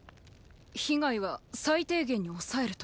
被害は最低限に抑えると。